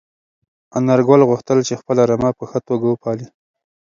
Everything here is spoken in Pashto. انارګل غوښتل چې خپله رمه په ښه توګه وپالي.